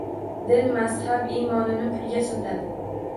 Din, mazhab, imonini pulga sotadi.